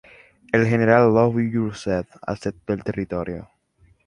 El general Lovell Rousseau aceptó el territorio.